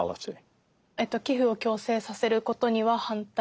寄付を強制させることには反対です。